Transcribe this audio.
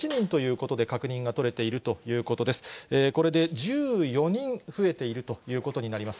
これで１４人増えているということになります。